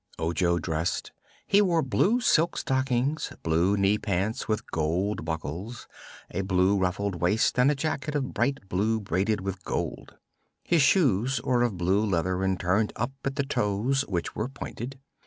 Ojo dressed. He wore blue silk stockings, blue knee pants with gold buckles, a blue ruffled waist and a jacket of bright blue braided with gold. His shoes were of blue leather and turned up at the toes, which were pointed.